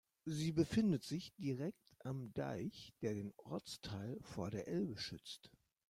Sie befindet sich direkt am Deich, der den Ortsteil vor der Elbe schützt.